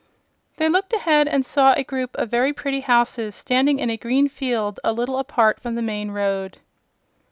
They looked ahead and saw a group of very pretty houses standing in a green field a little apart from the main road.